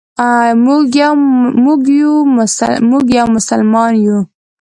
موږ یو مسلمان یو.